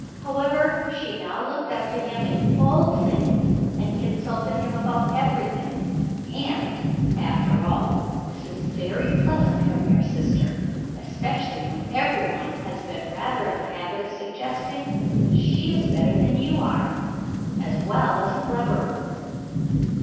However, she now looked up to him in all things and consulted him about everything, and, after all, this is very pleasant from your sister, especially when every one has been rather in the habit of suggesting that she is better than you are, as well as cleverer.